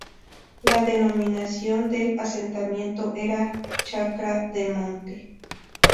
La denominación del asentamiento era Chacra de Monte.